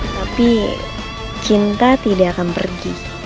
tapi cinta tidak akan pergi